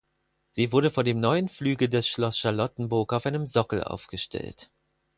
Sie wurde vor dem Neuen Flügel des Schloss Charlottenburg auf einem Sockel aufgestellt.